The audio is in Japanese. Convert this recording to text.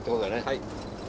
はい。